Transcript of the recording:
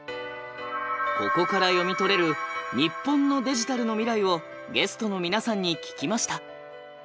ここから読み取れる日本のデジタルの未来をゲストの皆さんに聞きました。